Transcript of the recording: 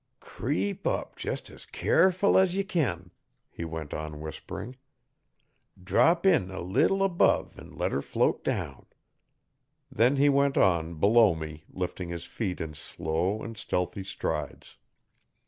'Cre e ep up jest as ca a areful as ye can,' he went on whispering. 'Drop in a leetle above an' let 'er float down.' Then he went on, below me, lifting his feet in slow and stealthy strides.